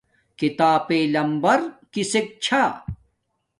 کھیتاپݵ لمبر کسک چھا